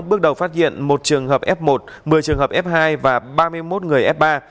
bước đầu phát hiện một trường hợp f một một mươi trường hợp f hai và ba mươi một người f ba